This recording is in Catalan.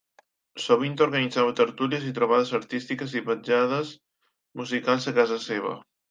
Sovint organitzava tertúlies i trobades artístiques i vetllades musicals a casa seva.